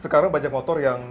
sekarang banyak motor yang